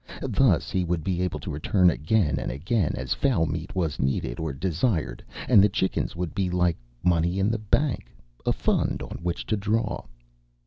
Thus he would be able to return again and again as fowl meat was needed or desired, and the chickens would be like money in the bank a fund on which to draw.